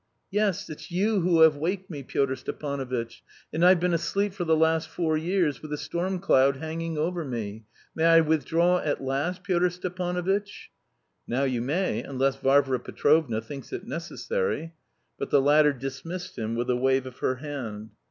"Yes, it's you who have waked me, Pyotr Stepanovitch; and I've been asleep for the last four years with a storm cloud hanging over me. May I withdraw at last, Pyotr Stepanovitch?" "Now you may, unless Varvara Petrovna thinks it necessary..." But the latter dismissed him with a wave of her hand.